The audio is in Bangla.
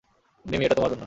মিমি, এটা তোমার জন্য।